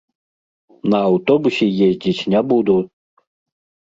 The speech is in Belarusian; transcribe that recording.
На аўтобусе ездзіць не буду!